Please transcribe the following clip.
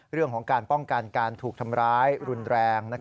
เรื่องของการป้องกันการถูกทำร้ายรุนแรง